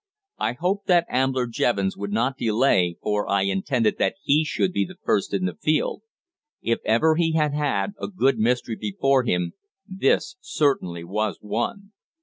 I hoped that Ambler Jevons would not delay, for I intended that he should be first in the field. If ever he had had a good mystery before him this certainly was one.